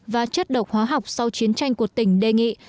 và chất độc hóa học sau chiến tranh của tỉnh đề nghị